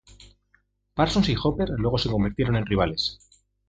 Parsons y Hopper luego se convirtieron en rivales.